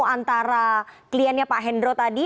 antara kliennya pak hendro tadi